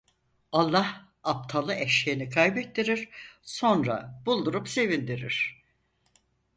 Allah aptala eşeğini kaybettirir, sonra buldurup sevindirir.